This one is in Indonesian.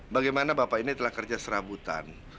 bagaimana bapak ini telah kerja serabutan